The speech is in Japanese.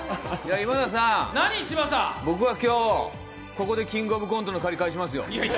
今田さん、僕は今日ここで「キングオブコント」の借りを返しますよ。